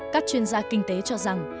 các chuyên gia kinh tế cho rằng